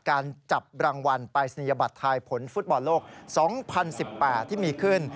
การจับรางวัลปรายศนียบัตรทายผลฟุตบอลโลก๒๐๑๘ที่มีขึ้น